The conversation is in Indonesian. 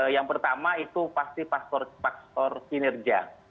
yang pertama itu pasti faktor kinerja